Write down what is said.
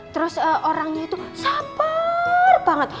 terus orangnya itu sabar banget